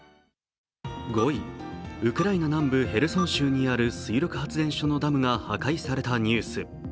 ５位、ウクライナ南部ヘルソン州にある水力発電所のダムが破壊されたニュース。